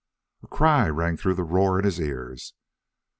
A cry rang through the roar in his ears.